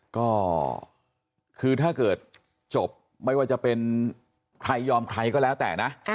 ก็คือถ้าเกิดจบไม่ว่าจะเป็นใครยอมใครก็แล้วแต่นะ